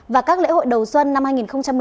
và các lễ hội đầu xuân năm hai nghìn một mươi chín